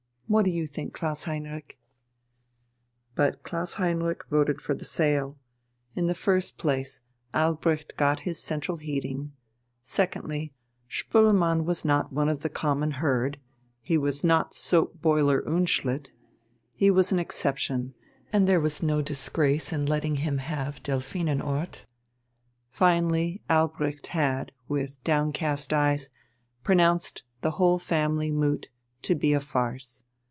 What do you think, Klaus Heinrich?" But Klaus Heinrich voted for the sale. In the first place, Albrecht got his central heating; secondly, Spoelmann was not one of the common herd, he was not soap boiler Unschlitt he was an exception, and there was no disgrace in letting him have Delphinenort. Finally Albrecht had, with downcast eyes, pronounced the whole family moot to be a farce.